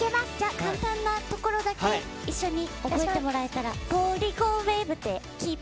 簡単なところだけ一緒に覚えてもらえたら。